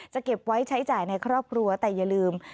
เก็บไว้ใช้จ่ายในครอบครัวแต่อย่าลืม